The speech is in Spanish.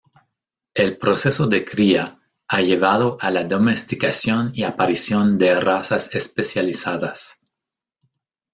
El proceso de cría ha llevado a la domesticación y aparición de razas especializadas.